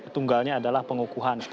tunggalnya adalah pengukuhan